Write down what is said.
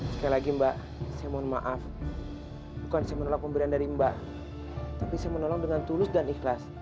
sekali lagi mbak saya mohon maaf bukan saya menolak pemberian dari mbak tapi saya menolong dengan tulus dan ikhlas